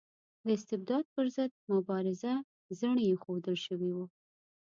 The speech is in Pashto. د استبداد پر ضد مبارزه زڼي ایښودل شوي وو.